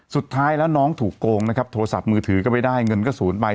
สุดท้ายแล้วน้องถูกโกงนะครับโทรศัพท์มือถือก็ไม่ได้เงินก็๐ใบ